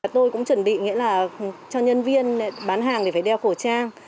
tôi cũng chuẩn bị cho nhân viên bán hàng phải đeo khẩu trang